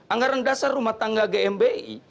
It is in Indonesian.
anggaran dasar rumah tangga gmbi